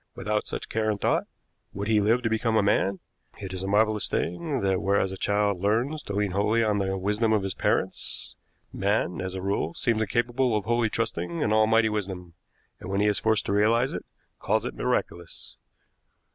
Without such care and thought, would he live to become a man? It is a marvelous thing that, whereas a child learns to lean wholly on the wisdom of his parents, man, as a rule, seems incapable of wholly trusting an Almighty wisdom; and, when he is forced to realize it, calls it miraculous.